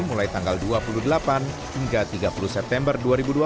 mulai tanggal dua puluh delapan hingga tiga puluh september dua ribu dua puluh